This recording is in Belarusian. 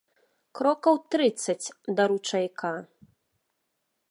Крокаў трыццаць да ручайка.